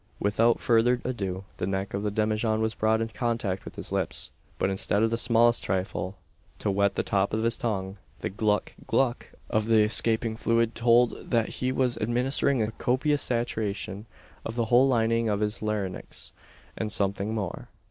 Without further ado the neck of the demijohn was brought in contact with his lips; but instead of the "smallest thrifle" to wet the top of his tongue, the "gluck gluck" of the escaping fluid told that he was administering a copious saturation to the whole lining of his larynx, and something more.